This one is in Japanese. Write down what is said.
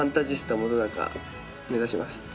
目指します。